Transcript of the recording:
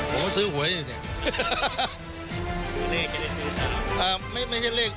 ผมก็ซื้อหวยเนี่ยเนี่ย